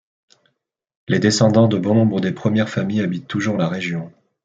Les descendants de bon nombre des premières familles habitent toujours la région.